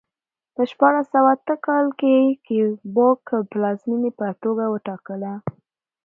په شپاړس سوه اته کال کې کیوبک پلازمېنې په توګه وټاکله.